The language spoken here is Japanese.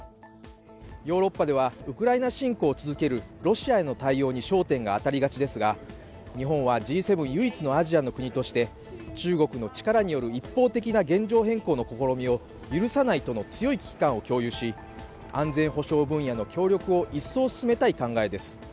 ヨーロッパではウクライナ侵攻を続けるロシアへの対応に焦点が当たりがちですが日本はＧ７唯一のアジアの国として中国の力による一方的な現状変更の試みを許さないとの強い危機感を共有し、安全保障分野での協力を一層強めたい考えです。